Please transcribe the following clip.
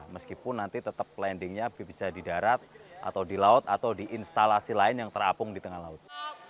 meskipun nanti tetap landingnya bisa di darat atau di laut atau di instalasi lain yang terapung di tengah laut